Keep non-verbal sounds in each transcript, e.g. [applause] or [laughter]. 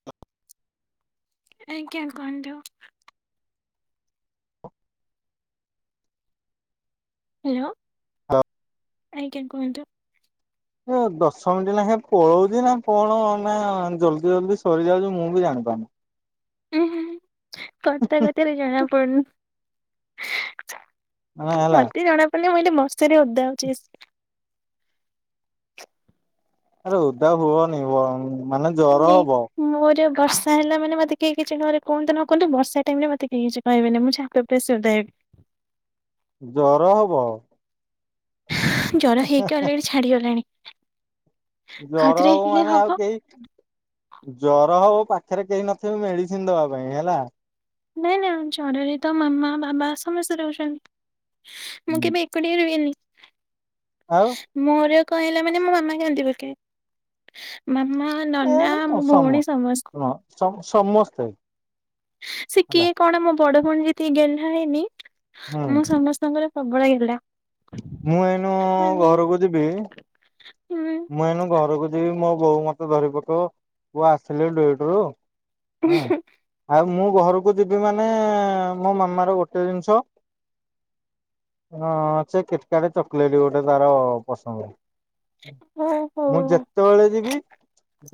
[inaudible] ଆଜ୍ଞା କୁହନ୍ତୁ? [inaudible] ହାଲୋ ଆଜ୍ଞା କୁହନ୍ତୁ? ଦଶ ମିନିଟ୍ ନାଖ ପଳଉଛି ନା କଣ ନା ଜଲଦି ଜଲଦି ସରିଯାଉଛି ମୁଁ ବି ଜାଣିପାରୁନି। ଉଁ ହୁଁ କଥା କଥାରେ ଜଣା ପଡୁନି, ମାନେ ହେଲା ମତେ ଜଣା ମାନେ ଗୋଟେ ବର୍ଷାରେ ଓଦା ହଉଛି। ଆରେ ଓଦା ହୁଅନି ଆଉ ମାନେ ଜର ନି ହବ। ମୋର ବର୍ଷା ହେଲେ ମାନେ ମତେ କେହି କିଛି ଘରେ କୁହନ୍ତୁ ନ କୁହନ୍ତୁ। ବର୍ଷା ଟାଇମ ରେ ମତେ କେହି କିଛି କହିବିନି ମୁଁ ଛାତ ଉପେସଧି [unintelligible] ଜର ହବ। ଜର ହେଇକି ଅଲରାଡି ଛାଡିଗଲେଣି। ଜର ହଉ ମାନେ ଆଉ କେହି- ଜର ହଉ ପାଖରେ କେହି ନଥିବେ ମେଡିସିନ ଦବା ପାଇଁ ହେଲା। ନାଇଁ ନାଇଁ ଜ୍ୱରରେ ତ ମାମା ବାବା ସମସ୍ତେ ରହୁଛନ୍ତି। ମୁଁ କେବେ- ଏକୁଟିଆ ରୁହେନୀ। ଆଉ ମୋର କହିଲା ମାନେ ମୋ ମା କାନ୍ଦି ପକାଏ। ମାମା, ଏ ନନା, ମୋ ଭଉଣୀ ସମସ୍ତ। ସମ ସମସ୍ତେ- ସେ ହେଲା କିଏ କଣ ମୋ ବଡ ଭଉଣ ଯେତିକି ଗେଲ୍ହା ହେଇଁନି, ହୁଁ ମୁଁ ସମସ୍ତଙ୍କର- ସବୁବେଳେ ହେଇଲା [unintelligible] ମୁଁ ଏଇନୁ ଘରକୁ ଯିବି ହୁଁ ମୁଁ ଏଇନୁ ଘରକୁ ଯିବି। ହେ ମୋ ବୋଉ ମତେ ଧରିପକାଅ ପୁଅ ଆସିଥିଲେ [unintelligible] ଆଉ ମୁଁ ଘରକୁ ଯିବି ମାନେ, ମୋ ମାମାର ଗୋଟେ ଜିନିଷ- ହଁ ସେ କେତଟା ଚକୋଲେଟ ଗୋଟେ ତାର ପସନ୍ଦ। ଓହୋ। ମୁଁ ଯେତେବେଳେ ଯିବି,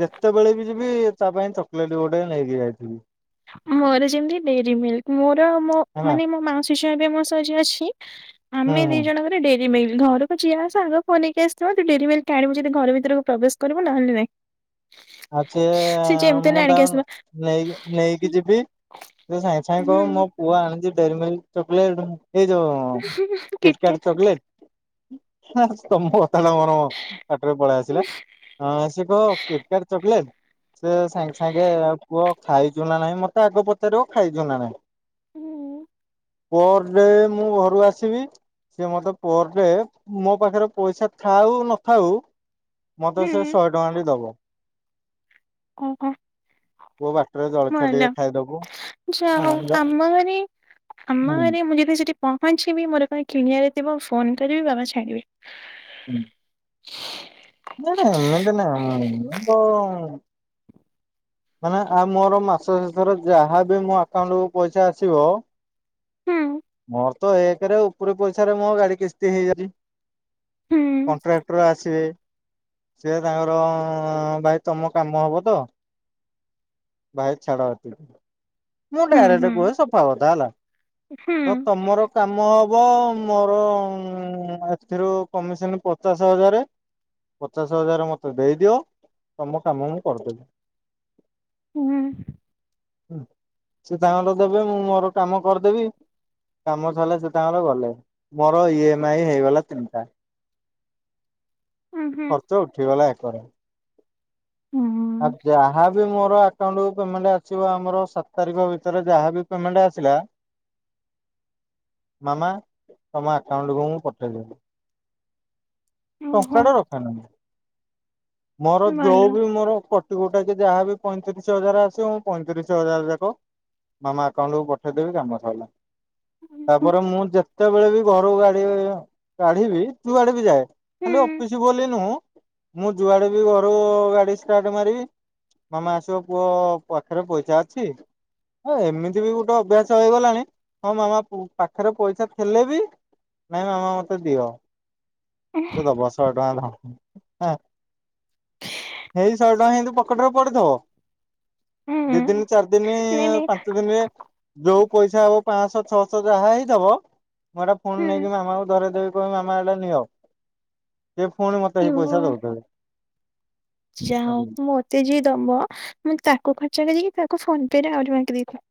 ଯେତେବେଳେ ବି ଯିବି ତା ପାଇଁ ଚକୋଲେଟ ଗୋଟେ ନେଇକି ଯାଇଥିବି। ମୋର ଯେମତି ଡେରିମୀଲକ ମୋର ମୋ ହେଲା ମାନେ ମୋ ମାଉସୀ ଝିଅ [unintelligible] ଯିଏ ଅଛି ହୁଁ ଆମେ ହୁଁ ଦି ଜଣଙ୍କ ଡେରିମୀଲକ ଘରକୁ ଯିଆ ଆସ ଆଗକୁ ନେଇକି ଆସିଥିବ। ତୁ ଡେରିମୀଲକ ଆଣିବୁ ଯଦି ଘର ଭିତରକୁ ପ୍ରବେଶ କରିବୁ ନହେଲେ ନାଇଁ। ଆଉ ସ ସେ ଯେମିତି ହେଲେ ମୁଁ ଆଣିକି ଦାଉନ ଆସିବ। [unintelligible] ନେଇକି ନେଇକି ଯିବି। ତ ସାଙ୍ଗେ ସାଙ୍ଗେ କହିବ ମୋ ପୁଅ ଆଣିଛି ଡେରିମୀଲକ ଚକୋଲେଟ। ଏଇ ଯଉ କୀଟକାଟ କିଟକାଟ ଚକଲେଟ [unintelligible] ତାହାଲେ ମୋର ପାଖରେ ପଳେଇ ଆସିଲା, ସେ କହିବ କୀଟକାଟ - [inaudible] ସେ ସାଙ୍ଗ ସାଙ୍ଗେ କୁହ ଖାଇଛୁ ନା ନାହିଁ ମତେ ଆଗ ପଚାରିବୁ ଖାଇଚୁ ନା ନାଇଁ। ହୁଁ ପରଡେ ମୁଁ ଘରୁ ଆସିବି ସେ ମତେ ପରଡେ ମୋ ପାଖରେ ପଇସା ଥାଉ ନଥାଉ- ମତେ ସେ ଶହେ ଟଙ୍କା ଟି ଦବ। କୁ କୋ [inaudible] ପୁଅ ବାଟରେ ଜଳଖିଆ ଭଲ ଟିକେ ଖାଇଦବୁ ହଁ ଯାହଉ ଯା ଆମ ଘରେ- ହୁଁ ଆମ ଘରେ ମୁଁ ଯଦି ସେଠି ପହଞ୍ଚିବି ମୋର କଣ କିଣିଆରେ ଥିବ ଫୋନ କରିବି ବାବା ଛାଡିବେ। ହୁଁ ନାଁ ଏମିତି ନା [unintelligible] ମାନେ ଆ ମୋର ମାସ ଶେଷ ଥରେ ଯାହାବି ମୋ ଆକାଉଣ୍ଟକୁୁ ପଇସା ଆସିବ- ହୁଁ ମୋର ତ ଏକ ରେ ଉପରେ ପଇସାରେ ମୋ ଗାଡି କିସ୍ତି ହେଇଯାଉଛି। ହୁଁ କଣ୍ଟ୍ରାକ୍ଟର ଆସିବେ। ସିଏ ତାଙ୍କର ଅ ଭାଇ ତମ କାମ ହବ ତ! ଭାଇ ଛାଡ଼ଏତିକି, ମୁଁ ହୁଁ ଡାଇରେଟ୍ ହୁଁ। କୁହେ ସଫାକଥା ହେଲା। ତ ତମର କାମ ହବ ମୋର ଉଁ ଏଥିରୁ କମିସନି ପଚାଶେ ହଜାରେ- ପଚାଶେ ହଜାରେ ମତେ ଦେଇଦିଅ। ତମ କାମ ମୁଁ କରିଦେବି। ହୁଁ ହୁଁ। ସେ ତାଙ୍କର ଦେବେ ମୁଁ ମୋର କାମ କରିଦେବି। କାମ ସରିଲା ସେ ତାଙ୍କର ଗଲେ। ମୋର ଇ ଏମ୍ ଆଇ ହେଇଗଲା ତିନଟା। ଖର୍ଚ୍ଚ ଉଠିଗଲା ଏକରେ। [unintelligible] ଯାହା ମୋର ଆକାଉଣ୍ଟ କୁ ଆସିବ ଆମର ସାତ ତାରିଖ ଭିତରେ ଯାହାବି ପେମେଣ୍ଟ ଆସିଲା ମାନେ ତମ ଆକାଉଣ୍ଟ କୁ ମୁଁ ପଠେଇଦେବି। ଟଙ୍କାଟେ ରଖେନି ମୁଁ। ମୋର ଯୋଉଁ ବି ମୋର କଟ୍ ଯୋଉଁଟା କି ଯାହାବି ପଇଁତିରିଶ୍ ହଜାର ଆସେ ମୁଁ ପଇଁତିରିଶ୍ ହଜାର ଯାକ ମାମା ଆକାଉଣ୍ଟ କୁୁ ପଠେଇଦେବି କାମ ସଇଲା। ତାପରେ ମୁଁ ଯେତେବେଳେ ବି ଘରୁ ଗାଡ଼ି କାଢିବି ଯୁଆଡ଼େ ବି ଯାଏ ଖାଲି ଅଫିସ୍ ବୋଲି ନୁହୁଁ ମୁଁ ଯୁଆଡେ ବି ଘରୁ ଗାଡି ଷ୍ଟାର୍ଟ ମାରିବି ମାମା ଆସିବ ପୁଅ ପାଖରେ ପଇସା ଅଛି। ହଁ ଏମିତି ବି ଗୋଟେ ଅଭ୍ୟାସ ହେଇଗଲାଣି ହଁ ମାମା ପୁ ପାଖରେ ପଇସା ଥିଲେ ବି ନାଇଁ ମାମା ମତେ ଦିଅ ସେ ଦବ ଶହେ ଟଙ୍କା ଭା ହଁ। ହେଇ ଶହେ ଟଙ୍କା କିନ୍ତୁ ପକେଟ ରେ ପଡିଥିବ ଦି ଦିନି ଚାରି ଦିନି ନାଇଁ ନାଇଁ ପାଞ୍ଚ ଦିନିରେ ଯୋଉଁ ପଇସା ପା ଶହ ଛଅ ଶହ ଯାହା ହେଇଥିବ ମୁଁ ହେଟା ପୁଣି ହୁଁ, ନେଇକି ମାମାକୁ ଧରେଇଦେବି ମୁଁ କହିବି ମାମା ଏଇଟା ନିଅ ସେ ପୁଣି ମତେ ହେଇ ପଇସା ଦଉଥେବେ। ଯାହାହଉ ମତେ ଯିଏ ଦବ ମୁଁ ତାକୁ ଖର୍ଚ୍ଚ କରିକି ତା ସାଙ୍ଗରେ ଆହୁରି [unintelligible]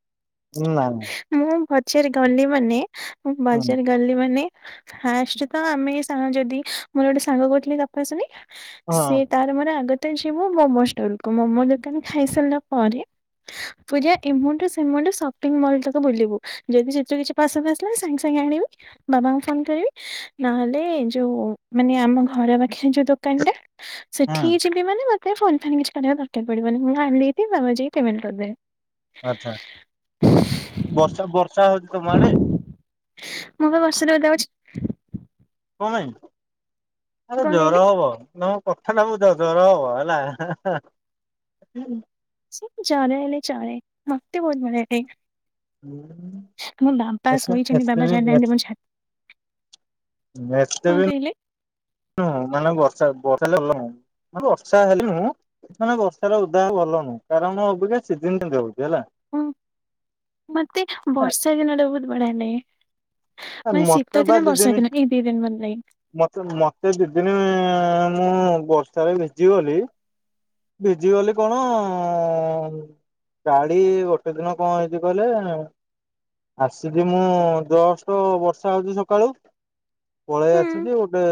ହୁଁ ନାଇଁ ନାଇଁ। ମୁଁ ବଜାର ଗଲେ ମାନେ ମୁଁ ହୁଁ ବଜାର ଗଲି ମାନେ ଫାଷ୍ଟ ତ ଆମେ ସାଙ୍ଗ ଯଦି ମୋର ଗୋଟେ ସାଙ୍ଗ କହୁଥିଲା ତପଶ୍ୱନୀ ହଁ ସେ ତାର ମୋର ଆଗତ ଯିବୁ ମୋମୋ ଷ୍ଟଲ କୁ ମୋମୋ ଦୋକାନରୁ ଖାଇସାରିଲା ପରେ [unintelligible] ପୁରା ଏ ମୁଣ୍ଡୁ ସେମୁଣ୍ଡୁ ସପିଙ୍ଗ ମଲ୍ ତକ ବୁଲିବୁ ଯଦି ସେଥିରୁ କିଛି ପସନ୍ଦ ଆସିଲା ସାଙ୍ଗେ ସାଙ୍ଗେ ଆଣିବି। ବାବାଙ୍କୁ ଫୋନ କରିବି ନହେଲେ ଯୋଉଁ ମାନେ ଆମ ଘର ପାଖରେ ଯୋଉଁ ଦୋକାନ ଟା ହୁଁ ସେଠି ଯିବି ମାନେ ମତେ ଫୋନ ଫାନ କିଛି କରିବାକୁ ଦରକାର ପଡ଼ିବନି ମୁଁ ଆଣିଲେ ଭାରି ବାବା ଯାଇକି ପେମେଣ୍ଟ କରିଦେବେ। ଆଛା ବର୍ଷା ବର୍ଷା ହଉଛି ତମ ଆଡେ? ମୁଁ ବା ବର୍ଷା ରେ ଓଦା ହେଉଚି। କଣ ପାଇଁ ଆରେ କଣ ଜର କହିଲେ ହବ ନ [unintelligible] ଜର ହବ ହେଲା ହାଁ ହାଁ ସେ ଜର ହେଲେ ଚଳେ ମତେ ବହୁତ ବଢ଼ିଆ ଲାଗେ। ମୋ ବାବା ଶୋଇଛନ୍ତି ବାବା ହୁଁ ଜାଣିନାହାନ୍ତି ମୋ ଛା କଣ [unintelligible] କହିଲେ ହୁଁ ମାନେ ବର୍ଷା ବର୍ଷା [inaudible] ହଁ ବର୍ଷା ହେଲେ ହୁଁ। ମାନେ ବର୍ଷାର ଉଦା ଭଲ ନୁହଁ କାରଣ ମୁଁ ଅବିକା ସିଜିନ୍ ରେ [unintelligible] ହେଲା। ହୁଁ ମତେ ବର୍ଷା ଦିନଟା ବହୁତ ବଢ଼ିଆ ଲାଗେ। ମତେ ଶୀତ ବା ଦିନ ଦି ବର୍ଷା ଦିନି ଦିନ ଏଇ ଦି ଦିନି ଭଲ ଲାଗେ। ମତେ ମତେ ଦି'ଦିନି ମୁଁ ବର୍ଷାରେ ଭିଜିି ଗଲି ଭିଜିଗଲି କଣ ଅଁ ଗାଡ଼ି ଗୋଟେ ଦିନ କଁ ହେଇଚି କହିଲ ଆସିଛିି ମୁଁ ଯଷ୍ଟ୍ ବର୍ଷା ହେଇଚି ସକାଳୁ ପଳେଇ ହୁଁ ଆସିଛି ଗୋଟେ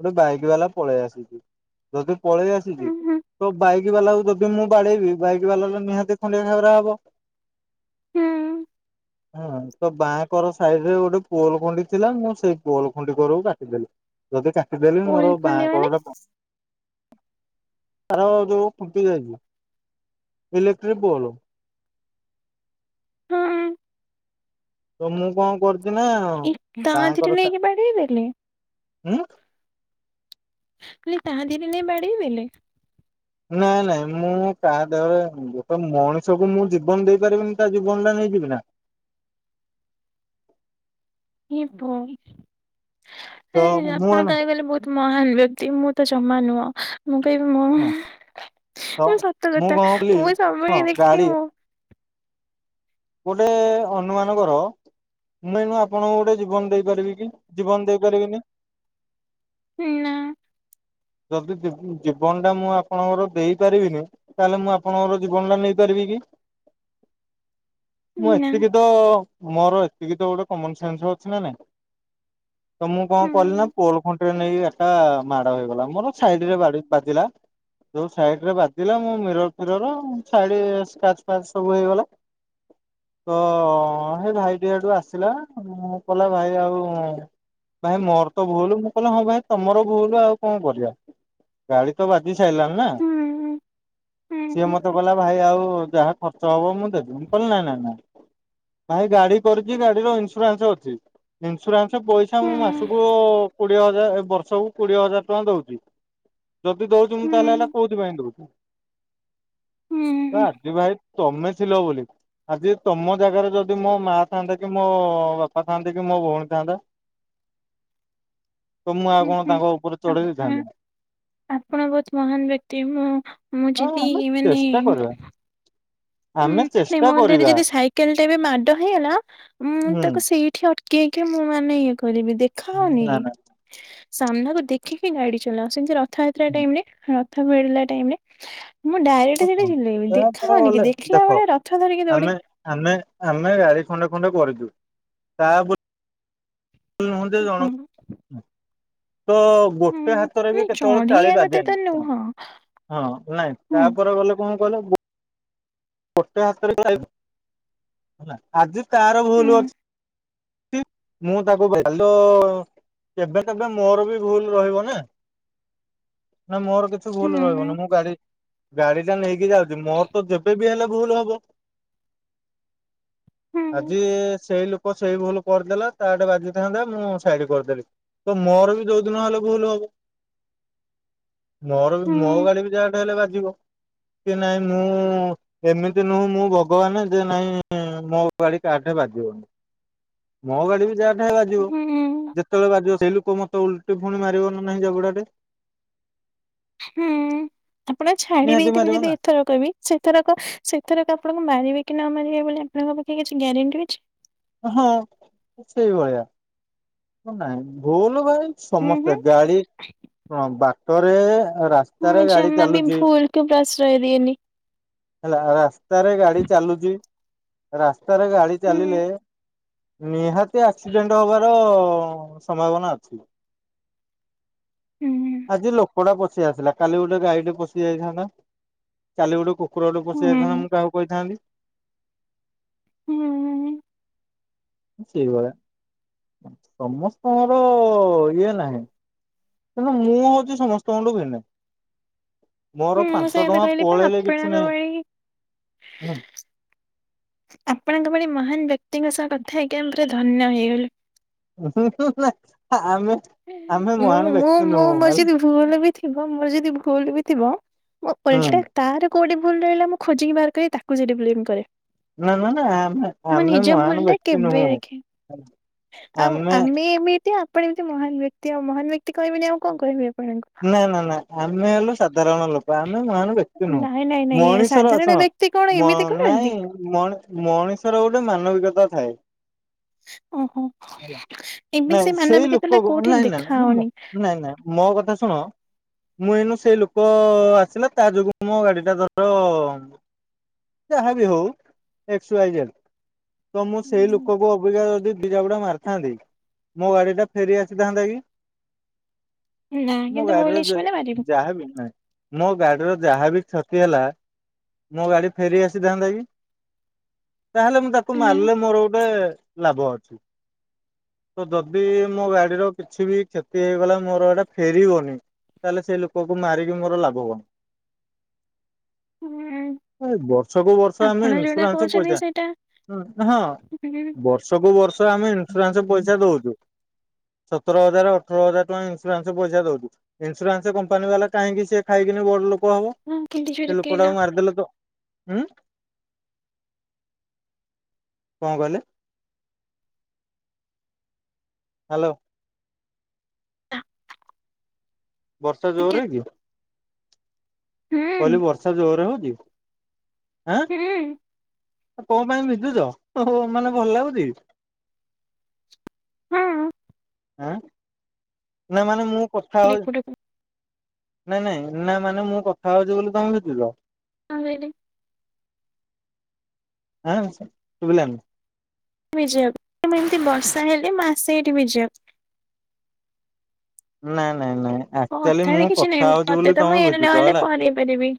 ଗୋଟେ ବାଇକ୍ ବାଲା ପଳେଇ ଆସିଚି ଯଦି ପଳେଇ ଆସିଚି ଉଁ ହୁଁ ତ ବାଇକ୍ ବାଲାକୁ ଯଦି ମୁଁ ବାଡେଇବି ବାଇକ୍ ବାଲାର ନିହାତି ଖଣ୍ଡିଆ ଖାବେରା ହବ ହୁଁ। [inaudible] ହଁ ତ ବାଁକର ସାଇଡ଼ ରେ ଗୋଟେ ପୋଲ୍ ଖୁଣ୍ଟି ଥିଲା ମୁଁ ସେଇ ପୋଲ ଖୁଣ୍ଟି କରକୁ କାଟିଦେଲି। ଯଦି କାଟିଦେଲି ମୋର ଓଲ ବାଁ ଖଣ୍ଡେ ମାନେ କର ଟା ପ [unintelligible] ଯୋଉଁ ଫୁଟି ଯାଇଛି ଇଲେକ୍ଟ୍ରିକ୍ ପୋଲ। ହଁ। ତ ମୁଁ କଣ କରୁଛି ନା ଏ ତା ଦେହରେ ବାଁକର ନେଇକି ବାଡେଇ ଦେଲେ ସାଇଟ ହୁଁ। ଇଏ ତା ଦେହରେ ନେଇ ବାଡ଼େଇ ଦେଲେ? ନାଇଁ ନାଇଁ ମୁଁ କାହା ଦେହରେ ଗୋଟେ ମଣିଷକୁୁ ମୁଁ ଜୀବନ ଦେଇପାରିବିନି ତା ଜୀବନ ଟା ନେଇଯିବି ନା? ଏ ଭଇ ତ ମୁଁ ଆପଣ ଏଣ କହିବାକୁ ଗଲେ ବହୁତ୍ ମହାନ ବ୍ୟକ୍ତି ମୁଁ ତ ଜମା ନୁହଁ। ମୁଁ କହିବି ମୋ ହଁ ତ ମ ସତ କଥା କଣ କଲି ମୁଁ ବି ହଁ ସବୁବେଳେ ଦେଖିବି ଗାଡି ମୁଁ ଗୋଟେ ଅନୁମାନ କର ମୁଁ ଏଇନେ ଆପଣଙ୍କୁ ଗୋଟେ ଜୀବନ ଦେଇପାରିବି କି, ଜୀବନ ଦେଇପାରିବିନି। ହୁଁ ନା। ଯଦି ଜୀ-ଜୀବନ ଟା ମୁଁ ଆପଣଙ୍କର ଦେଇ ପାରିବିନି ତାହେଲେ ମୁଁ ଆପଣଙ୍କର ଜୀବନଟା ନେଇପାରିବି କି? ମୁଁ ନା ଏତିକି ତ ମୋର ଏତିକି ତ ଗୋଟେ କମନ ସେନ୍ସ ଅଛି ନା ନାଇଁ? ତ ମୁଁ ହୁଁ କଣ କଲିି ନା ପୋଲ ଖୁଣ୍ଟରେ ନେଇ ଏଟା ମାଡ ହେଇଗଲା। ଆମର ସାଇଡ ରେ ବା-ବାଜିଲା। ଯୋଉ ସାଇଡ ରେ ବାଜିଲା ମୁଁ ମିରର ଫିରର ସାଇଡ ସ୍କ୍ରାଚ୍ ଫାଚ ସବୁ ହେଇଗଲା। ତ ସେ ଭାଇଟି ଆଡୁ ଆସିଲା ମୁଁ କହିଲା ଭାଇ ଆଉ ଭାଇ ମୋର ତ ଭୁଲ, ମୁଁ କହିଲ ହଁ ଭାଇ ତମର ଭୁଲ ଆଉ କଣ କରିବା। ଗାଡି ତ ବାଜି ସାରିଲାଣି ନା, ହୁଁ ହୁଁ ସିଏ ହୁଁ ମତେ କହିଲା ଭାଇ ଆଉ ଯାହା ଖର୍ଚ୍ଚ ହବ ମୁଁ ଦେବି, ମୁଁ କହିଲି ନା ନା ନା। ଭାଇ ଗାଡି କରିଛି ଗାଡିର ଇନ୍ସୁରାନ୍ସ ଅଛି। ଇନ୍ସୁରାନ୍ସ ପଇସା ମୁଁ ମାସକୁ କୋଡିଏ ହଜାର ବର୍ଷକୁ କୋଡିଏ ହଜାର ଟଙ୍କା ଦଉଛି। ଯଦି ଦଉଛି ମୁଁ ହୁଁ ତାହେଲେ ହେଲେ କୋଉଥିପାଇଁ ଦଉଛିି? ହୁଁ ଆଜି ଭାଇ ତମେ ଥିଲ ବୋଲି। ଆଜି ତମ ଜାଗାରେ ଯଦି ମୋ ମା ଥାନ୍ତା କି ମୋ ବାପା ଥାଆନ୍ତେ କି ମୋ ଭଉଣୀ ଥାନ୍ତା? ତ ମୁଁ ଆଉ ହୁଁ କଣ ହୁଁ ତାଙ୍କ ଉପରେ ଚଢେଇ ଆପଣ ଦେଇଥାନ୍ତି? ଆପଣ ବହୁତ ମହାନ ବ୍ୟକ୍ତି ମୁଁ ମୁଁ ହଁ ଯିବି ଆମେ ମାନେ ଚେଷ୍ଟା କରିବା ହୁଁ ଆମେ ମୋ ଚେଷ୍ଟା ମତରେ କରିବା ଯଦି ସାଇକେଲଟା ବି ମାଡ଼ ହେଇଗଲା ମୁଁ ହୁଁ। ତାକୁ ସେଇଠି ଅଟ କେଁ କେଁ ମୁଁ ମାନେ ଇଏ କରିବି ଦେଖା ହଉନି ନା କି? ନା ସାମ୍ନାକୁ ଦେଖିକି ଗାଡି ଚଲାଅ, ସେମିତି ରଥଯାତ୍ରା ଟାଇମ ରେ ର ରଥ ଭିଡ଼ିଲା ଟାଇମରେ ମୁଁ ଡାଇରେକଟ ସେଠି ଚିଲେଇବି, ଦେଖା ତାପରେ ହଉନି କି ଗଲେ ଦେଖ୍ ଦେଖ ଆମେ ଆମେ ଆମେ ଗାଡ଼ି ଖଣ୍ଡେ ଖଣ୍ଡେ କରିଛୁ ତା ବୋଲି ନୁହନ୍ତ୍ତୀ ଜଣ ହୁଁ ତ ହୁଁ ଗୋଟେ ହାତରେ ବି ନାଇଁ କେତେବେଳେ ଚଢେଇଆ ତାଳି କଥା ବାଜେନି, ତ ଶୁଣ ନୁହଁ ହଁ ନାଇଁ ହୁଁ ତାପରେ ଗଲେ କଣ କହିଲ ଗୋ ଗୋଟେ ହାତରେ ତାଳି ହେଲା ଆଜି ତାର ହୁଁ ଭୁଲ ଅଛି। ମୁଁ ତାକୁ [unintelligible] ହାଲୋ କେବେ କେବେ ମୋର ବି ଭୁଲ ରହିବ ନା, ନା ମୋର କିଛି ଭୁଲ ହୁଁ ରହିବନି ମୁଁ ଗାଡି ଗାଡି ଟା ନେଇକି ଯାଉଛି ମୋର ତ ଯେ ବି ହେଲେ ଭୁଲ ହବ, ହୁଁ ଆଜି ସେଇ ଲୋକ ସେଇ ଭୁଲ କରିଦେଲା, ତା ଆଡେ ବାଜିଥାନ୍ତା ମୁଁ ସାଇଡ କରିଦେଲି। ତ ମୋର ବି ଯୋଉ ଦିନ ହେଲେ ଭୁଲ ହବ। ମୋର ମୋ ଗାଡି ହୁଁ ବି ଯାହାଟେ ହେଲେ ବାଜିବ କି ନାଇଁ ମୁଁ ଏମିତି ନୁହଁ ମୁଁ ଭଗବାନ ଯେ ନାଇଁ ମୋ ଗାଡି କାହାଠରେ ବାଜିବନି। ମୋ ଗାଡ଼ି ବି ଯାହା ଠେଇଁ ବାଯିବ। ହୁଁ ଯେତେବେଳେ ବାଜିବ ସେଇ ଲୋକ ମତେ ଓଲଟି ଫୁଣି ମାରିବ ନା ନାହିଁ ଜାବୁଡାଟେ? ହୁଁ ଆପଣ ଛାଡ଼ି ନିହାତି ଦେଇଥିବେ ମାରିବ ଯଦି ନା ଏଥରକ ବି ସେଥରକ ସେଥରକ ଆପଣଙ୍କୁ ମାରିବେ କି ନ ମାରିବେ ବୋଲି ଆପଣଙ୍କ ପାଖେ କିଛି ଗ୍ୟାରେଣ୍ଟି ଅଛି? ହଁ ସେଇଭଳିଆ। ନାଇଁ ଭୁଲ ଭାଇ ସମସ୍ତେ ଗାଡି କଣ ବାଟରେ ରାସ୍ ମୁଁ ଜମା ବି ଭୁଲ୍ କୁ ପ୍ରଶ୍ରୟ ଦିଏନି। ହେଲା ରାସ୍ତାରେ ଗାଡ଼ି ଚାଲୁଛି, ରାସ୍ତାରେ ଗାଡ଼ି ହୁଁ ଚାଲିଲେ ନିହାତି ଆକ୍ସିଡେଣ୍ଟ ହବାର ସମ୍ଭାବନା ଅଛି। ହୁଁ ଆଜି ଲୋ କୁକୁଡା ପଶି ଆସିଲା କାଲି ଗୋଟେ ଗାଈଟେ ପଶି ଯାଇଥାନ୍ତା କାଲି ଗୋଟେ କୁକ୍ କୁକୁର ଗୋଟେ ପଶି ହୁଁ ଯାଇଥାନ୍ତା ହୁଁ। ମୁଁ କାହାକୁ କହିଥାନ୍ତି। ହୁଁ ଉଁ ଉଁ। ସେଇଭଳିଆ ସମସ୍ତଙ୍କର ଇଏ ନାହିଁ। ତେଣୁ ମୁଁ ହଉଛି ସମସ୍ତଙ୍କଠୁ ଭୀନେ। ମୋର ହୁଁ ମୁଁ ପାଞ୍ଚ ସେଇ କଥା ଟଙ୍କା କହିଲି ପା ପଳେଇଲେ କିଛି ଆପଣଙ୍କ ଭଳି ନାହିଁ। ଆପଣଙ୍କ ଭଳି ମହାନ ବ୍ୟକ୍ତିଙ୍କ ସହ କଥା ହେଇକି ଆମେ ପୁରା ଧନ୍ୟ ହେଇଗଲୁ। ଉଁ ହୁଁ ହୁଁ ନା ଆମେ ଆମେ ଏଁ ମୁଁ ମହାନ ମୁଁ ବ୍ୟକ୍ତି ମୁଁ ନୁହଁ ମୋର ହେଲା ଜିଦ୍ ଭୁଲ ବି ଥିବ ମୋର ଯଦି ଭୁଲ ବି ଥିବ ମୁଁ ହୁଁ ଓଲଟା ତାର କୋଉଠି ଭୁଲ ରହିଲା ମୁଁ ଖୋଜିକି ବାହାର କରି ତାକୁ ସେଠୀ ବ୍ଲେମ୍ କରେ। ନା ନା ନା ଆମେ ମୋ ଆମେ ନିଜ ଭୁଲ ମହାନ ଟା ବ୍ୟକ୍ତି କେବେ ନୁହଁ। ଦେଖେ ଆଉ ଆମେ ଏମତି ଆପଣ ଏମିତି ମହାନ ବ୍ୟକ୍ତି ଆଉ ମହାନ ବ୍ୟକ୍ତି କହିବିନି ଆଉ କଣ କହିବି ଆପଣଙ୍କୁ? ନା ନା ନା ଆମେ ହେଲୁ ସାଧାରଣ ଲୋକ। ଆମେ ମହାନ ବ୍ୟକ୍ତି ନୁହଁ ନାଇଁ ନାଇଁ ନାଇଁ ମଣିଷର ସାଧାରଣ ଶୁଣ ବ୍ୟକ୍ତି କଣ ମ ଏମିତି କରନ୍ତି? ନାଇଁ ମଣି ମଣିଷର ଗୋଟେ ମାନବିକତା ଥାଏ। ଓହୋ ହେଲା ଏବେ ନାଇଁ ସେ ସେଇ ମାନବିକା ଥିଲା ଲୋକକୁ କୋଉଠି ନାଇଁ ନାଇ ଦେଖା ମୁଁ ନାଇଁ ହଉନି। ନାଇଁ ନାଇଁ ମୋ କଥା ଶୁଣ ମୁଁ ଏଇନା ସେଇ ଲୋକ ଆସିଲା ତା ଯୋଗୁ ମୋ ଗାଡି ଟା ଧର ଯାହାବି ହଉ ଏକ୍ସ ୱାଇ ଜେଡ୍ ତ ମୁଁ ସେଇ ଉଁ, ଲୋକକୁ ଅବିକା ଯଦି ଦି ଚାପୁଡ଼ା ମାରିଥାନ୍ତି ମୋ ଗାଡି ଟା ଫେରି ଆସିଥାନ୍ତା କି। ନା ମୋ କିନ୍ତୁ ମୁଁ ଗାଡିରେ ଇଂଲିଶ ମାନେ ପାରିବି ଯାହାବି ନାଇଁ ମୋ ଗାଡିର ଯାହାବି କ୍ଷତି ହେଲା ମୋ ଗାଡି ଫେରି ଆସିଥାନ୍ତା କି। ତାହେଲେ ମୁଁ ତାକୁ ନା ମାରିଲେ ମୋର ଗୋଟେ ଲାଭ ଅଛି। ତ ଯଦି ମୋ ଗାଡିର କିଛି ବି କ୍ଷତି ହେଇଗଲା ମୋର ଏଇଟା ଫେରିବ ତାହେଲେ ସେ ଲୋକ କୁ ମାରିକି ମୋର ଲାଭ କଣ? ଉଁ ବର୍ଷକୁ ବର୍ଷ ଆମେ ଆପଣ ଯୋଉଟା ଇନ୍ସୁରାନ୍ସ କହୁଛନ୍ତି ପଇସା ସେଇଟା ହୁଁ ହଁ ଉଁ, ବର୍ଷକୁ ବର୍ଷ ଆମେ ଇନ୍ସୁରାନ୍ସ ପଇସା ଦଉଛୁ। ସତର ହଜାର ଅଠର ହଜାର ଟଙ୍କା ଇନ୍ସୁରାନ୍ସ ପଇସା ଦଉଛୁ। ଇନ୍ସୁରାନ୍ସ କମ୍ପାନୀ ବାଲା କାହିଁକି ସେ ଖାଇକିନି ବଡ ଲୋକ ହବ ହଁ କେମିତି ଜୋରେ ସେ ଲୋକ କହିଲ ଟାକୁ ମାରିଦେଲେ ତ ହୁଁ କଣ କହିଲେ? ହ୍ୟାଲୋ। ଆ, ବର୍ଷା ଆଜ୍ଞା ଜୋରେ କି? ହୁଁ କହିଲି ବର୍ଷା ଜୋରେ ହଉଛି? ଆଁ ହୁଁ କଣ ପାଇଁ ଭିଜୁଚ ଓ ହୋ ମାନେ ଭଲ ଲାଗୁଛି। ହଁ। ଆଁ ନା ମାନେ ମୁଁ କଥା କହିଲି ହଉ ଏପଟକୁ ନାଇଁ ନାଇଁ ନା ମାନେ ମୁଁ କଥା ହଉଛି ବୋଲି ତମେ ଭିଜିଲ। [unintelligible] ଆଁ ସାର୍ ଶୁଭିଲାନି। ଭିଯିବାକୁ [unintelligible] ଏମିତି ବର୍ଷା ହେଲେ ମୁଁ ଆସେ ଏଠି ଭିଜିବାକୁ। ନାଇଁ ନାଇଁ ନାଇଁ ଆକ୍ଚୁଆଲି କଥାରେ ମୁଁ କିଛି ନାହିଁ କଥା ହଉଛି ମତେ ବୋଲି ତ ମୁଁ ତମେ ଏଇନେ ଭିଜୁଚ ନହେଲେ ହେଲା। ପହଁରେଇ ପାରିବି।